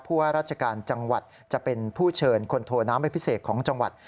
ว่าราชการจังหวัดจะเป็นผู้เชิญคนโทน้ำเป็นพิเศษของจังหวัด